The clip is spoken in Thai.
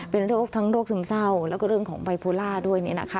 เป็นโรคทั้งโรคซึมเศร้าแล้วก็เรื่องของไบโพล่าด้วยเนี่ยนะคะ